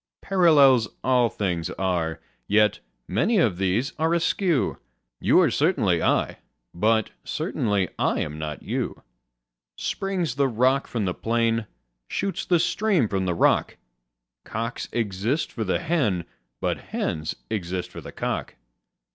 Parallels all things are: yet many of these are askew: You are certainly I: but certainly I am not you. Springs the rock from the plain, shoots the stream from the rock: Cocks exist for the hen: but hens exist for the cock.